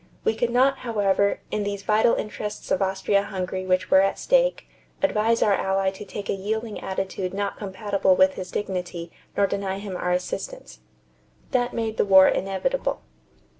We could not, however, in these vital interests of Austria Hungary which were at stake, advise our ally to take a yielding attitude not compatible with his dignity nor deny him our assistance." That made the war inevitable.